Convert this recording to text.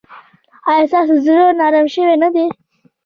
ایا ستاسو زړه نرم شوی نه دی؟